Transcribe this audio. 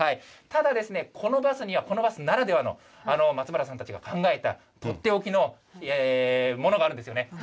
ただ、このバスにはこのバスならではの、松原さんたちが考えた、取って置きのものがあるんですよね。